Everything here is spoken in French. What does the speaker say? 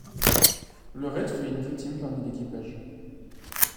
Le raid fait une victime parmi l'équipage.